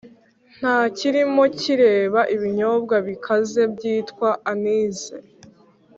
ntakirimo kireba ibinyobwa bikaze byitwa anise